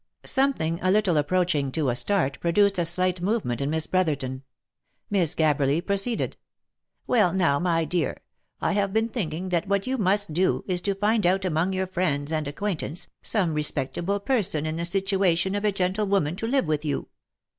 Something a little approaching to a start, produced a slight movement in Miss Brotherton. Mrs. Gabberly proceeded. t OF MICHAEL ARMSTRONG. 87 " Well now, my dear ! I have been thinking that what you must do, is to find out among your friends and acquaintance, some re spectable person in the situation of a gentlewoman to live with you.